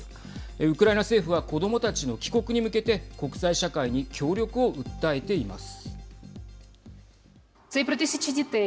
ウクライナ政府は子どもたちの帰国に向けて国際社会に協力を訴えています。